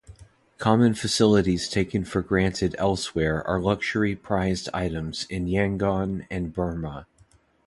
Common facilities taken for granted elsewhere are luxury prized items in Yangon and Burma.